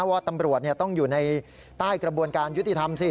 ว่าตำรวจต้องอยู่ในใต้กระบวนการยุติธรรมสิ